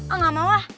oh gak mau lah